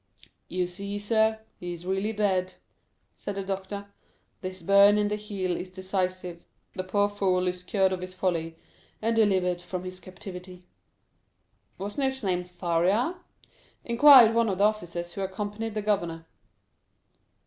"You see, sir, he is really dead," said the doctor; "this burn in the heel is decisive. The poor fool is cured of his folly, and delivered from his captivity." "Wasn't his name Faria?" inquired one of the officers who accompanied the governor.